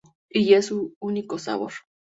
Y es su único sabor.